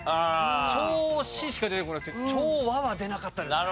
調子しか出てこなくて調和は出なかったですね。